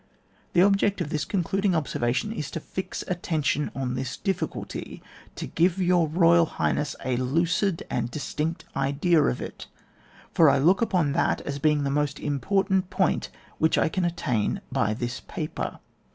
The object of this concluding observa tion, is to fix attention on this difficulty, and to give your Royal Highness a lucid and distinct ide^ of it, for I look upon that as being the most important point which I can attain by this paper.